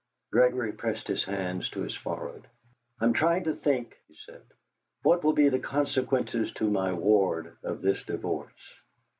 Gregory pressed his hands to his forehead. "I'm trying to think," he said, "what will be the consequences to my ward of this divorce."